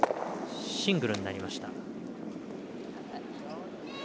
シングルになりました。